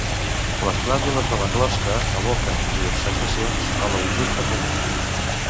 Les glàndules de la closca aboquen llurs secrecions a l'oviducte comú.